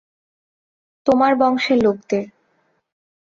তোমার বংশের লোকদের।